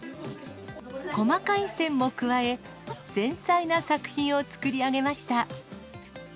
細かい線も加え、繊細な作品を作り上げました。